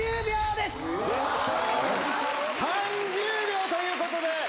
３０秒ということで。